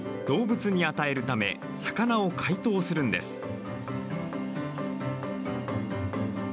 動物に与えるため魚を解凍するんです。